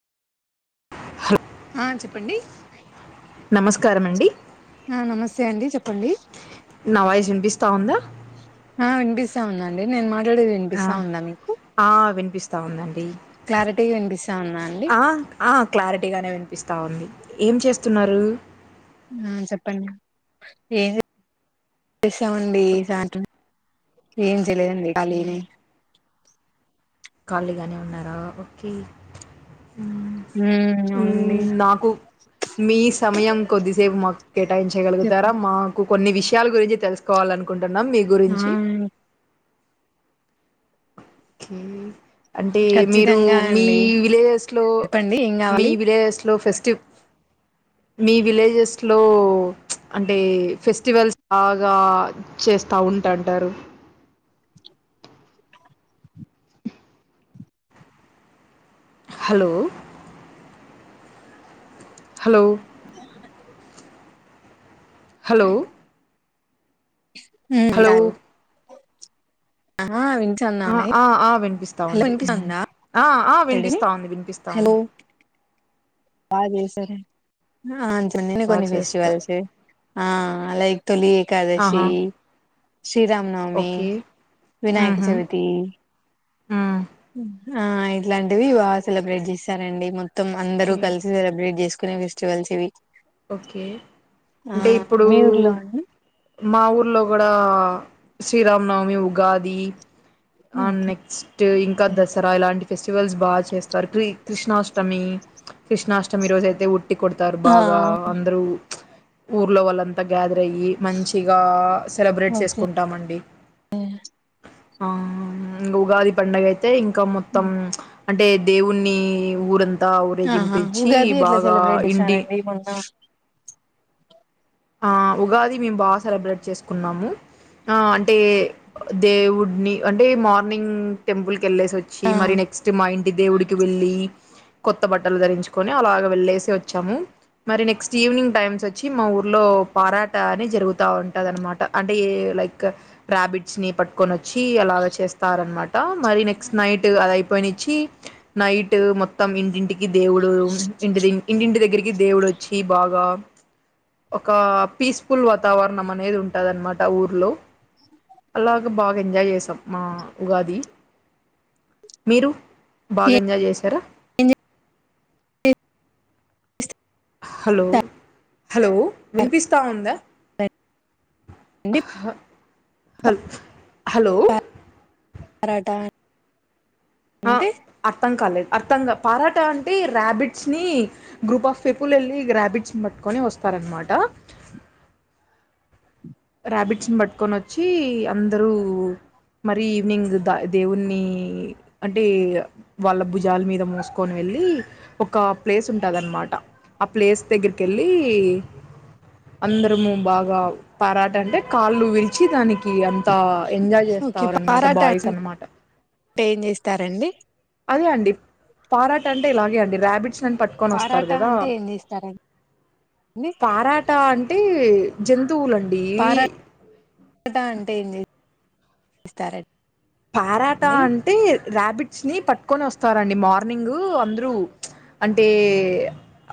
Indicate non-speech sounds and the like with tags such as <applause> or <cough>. ఆ చెప్పండి నమస్కారమండి ఆ నమస్తే అండి చెప్పండి నా వాయిస్ వినిపిస్తా ఉందా పిస్తా ఉందండి నేను మా ఆ వినిపిస్తా ఉందండి క్లారిటీగా వినిపిస్తా ఉందా అండి ఆ ఆ క్లారిటీగానే వినిపిస్తా ఉంది ఏం చేస్తున్నారు ఆ చెప్పండి ఏం చేస్తామండి సాట ఏం చేయలేదండి ఓకే ఖాళీనే ఖాళీగానే ఉన్నారా ఓకే ఉమ్ ఉమ్ అవునండి నాకు మీ సమయం కొద్దిసేపు మాకు కెటాయించగలుగుతారా చెప్పండి మాకు కొన్ని విషయాల గురించి తెలుసుకోవాలనుకు కుంటున్నాం మీ గురించి ఆ హ అంటే మీరు ఖచ్చితంగా మీ అండి విలేజెస్ లో చెప్పండి ఏం మీ కావాలి విలేజెస్ లో ఫెస్ట్ చెప్ మీ విలేజెస్ లో అంటే ఫెస్టివల్స్ బాగా చే స్తా ఉంటంటారు <inaudible> హలో హలో <inaudible> హలో ఉమ్ హలో! <unintelligible> ఆఆ ఆ వినిపిస్ హలో తాంది వినిపిస్తుందా ఆ ఆ మాట్లాడేది వినిపిస్తాంది హలో వినిపిస్తాంది బాగా చేసార ఆ అంచన నేను బా కొన్ని చేస్తా. ఫెస్టివల్స్ ఆ లైక్ తొలి ఏకాదశి ఆహా! శ్రీరామ్ నవమీ ఓకే. వినాయక హుహు. చవితి హ్మ్. ఆ ఇట్లాంటివి బాగా సెలబ్రేట్ చేశారండి మొత్తం అందరు ఓకే. సెలబ్రెట్ జేసుకునే ఫెస్టివల్స్ ఇవి ఓకే ఆ అంటే ఇప్పుడు మీ ఊర్లో అండి మా ఊర్లో కూడా శ్రీరామ్ నవమి ఉగాది ఆ నెక్స్ట్ ఇంకా దసరా ఇలాంటి ఫెస్టివల్స్ బాగా చేస్తారు క్రి కృష్ణాష్టమి కృష్ణాష్టమి రోజు అయితే ఉ ట్టి కోడతారు ఆ బాగా అందరు ఊర్లో వాళ్ళంత గద రయ్యి మంచిగ సెలబ్రేట్ ఓకే చేసుకుంటం అండి ఆ ఇంగ ఉగాది పండగ అయితే ఇంకా మొత్తం అంటే దేవుణ్ణి ఊరంతా ఆహా ఊరేగింపించి ఉగాది ఎట్లా బాగా సెలబ్రేట్ ఇంటి చేసినారండి మొన్న ఆ ఉగాది మేము బా సెలబ్రేట్ చేసుకున్నాము ఆ అంటే దేవుడ్ని అంటే మార్నింగ్ టెంపుల్ కెళ్ళేసి వచ్చి ఆ మరి ఏం నెక్స్ట్ మా ఇంటి దేవుడికి వెళ్ళి కొత్త బట్టలు ధరించుకొని అలాగ వెళ్లేేసి వచ్చాము మరి నెక్స్ట్ ఈవినింగ్ టైమ్స్ వచ్చి మా ఊ లో పరాట అని జరుగుతూ ఉంటుంది అనమాట అంటే లైక్ రాబిట్స్ ని పట్టుకొని వ చ్చి అలాగా చేస్తార అనమాట మరి నెక్స్ట్ నైట్ అది పోయ్నిచ్చి నైట్ మొత్తం ఇంటింటికి దేవుడు ఇంటి ఇంటింటి దగ్గరి దేవుడొచ్చి బాగా ఒక పీస్ఫుల్ వాతావరణం అనేది ఉంటది అనమాట ఊర్లో అలాగ బాగా ఎంజాయ్ చేసాం మా ఉగాది మీరు బాగా ఎంజాయ్ చేశారా ఎంజా <inaudible> ఎ <inaudible> హలో హలో వినిపిస్తా ఉందా అ హ హల్ హలో పరాట అ అర్ధం కాలేదు అర్ధంగా పారాట అంటే ర్యాబిట్స్ని గ్రూప్ ఆఫ్ పీపుల్ ఎళ్ళి ర్యాబిట్స్ పట్టుకొని వస్తారు గఅన్నమాట రర్యాబిట్స్ ని పట్టుకొని వచ్చి అందరూ మరి ఈవినింగ్ ద దేవుణి అంటే వాళ్ళ భుజాల మీద మోసుకొని వెళ్ వెళ్ళి ఒక ప్లేస్ ఉంటాది అన్నమాట ఆ ప్లేస్ దగ్గరికెళ్ళి అందరము బాగా పరాట అంటే కాళ్ళు విరిచి దానికి ఇ అంతా ఎంజాయ్ ఓకే చేస్తరనమాట పారాట బాయ్స్ అన్నమాట అంటే ఏం చేస్తారండి అదే అండి పారాట అంటే ఇలాగే అండి ర్యాబిట్ పట్టుకొని వస్తారు పారాట కదా అంటే ఏం చేస్తారండి పరాట అంటే జంతువులండి పార ట అంటే ఏం జే స్తారండి పరాట అంటే ర్యాబిట్స్ని పట్టుకొని వస్తారండి మార్నింగు అందరూ అంటే